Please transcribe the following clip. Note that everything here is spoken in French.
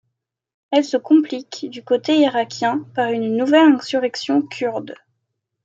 Elle se complique, du côté irakien, par une nouvelle insurrection kurde.